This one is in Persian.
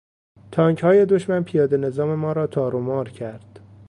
تانکهای دشمن پیاده نظام مارا تارومار کرد.